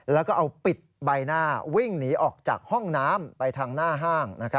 แล้วก็เอาปิดใบหน้าวิ่งหนีออกจากห้องน้ำไปทางหน้าห้าง